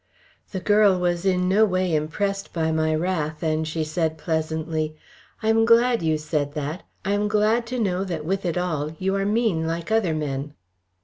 The girl was in no way impressed by my wrath, and she said, pleasantly: "I am glad you said that. I am glad to know that with it all, you are mean like other men."